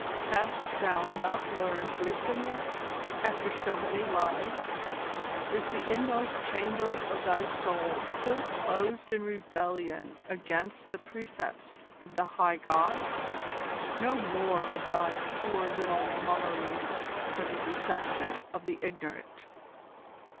Hast thou not learned wisdom yet, after so many lives? Is the inmost chamber of thy soul still closed in rebellion against the precepts of the High Gods? No more of thy poor little mummeries for the deception of the ignorant!